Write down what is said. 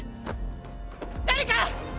誰か！！